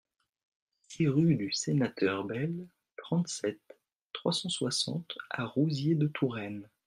six rue du Sénateur Belle, trente-sept, trois cent soixante à Rouziers-de-Touraine